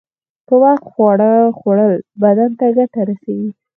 په وخت خواړه خوړل بدن ته گټه رسوي.